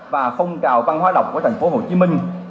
và phong trào văn hóa đọc của thành phố hồ chí minh